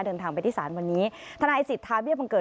เดินทางไปที่ศาลวันนี้ทนายสิทธาเบี้ยบังเกิด